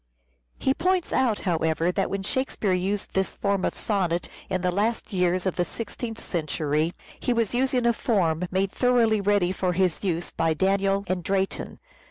He points out, however, that when Shakespeare used this form of sonnet in the last years of the sixteenth century, he was using a form " made thoroughly ready for his use by Daniel and Drayton."